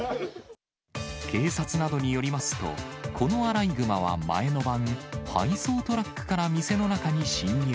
警察などによりますと、このアライグマは前の晩、配送トラックから店の中に侵入。